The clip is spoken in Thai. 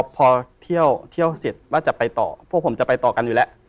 พอเที่ยวเสร็จว่าจะไปต่อพวกผมจะไปต่อกันอยู่แล้ว